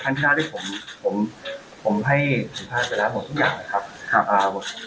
ครั้งหน้าที่ผมผมผมให้ศึกษาไปแล้วหมดทุกอย่างครับครับอ่า